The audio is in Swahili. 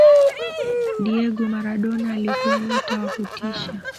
diego maradona alikuwa nyota wa kutisha